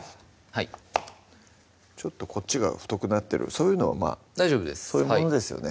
ちょっとこっちが太くなってるそういうのはまぁ大丈夫ですそういうものですよね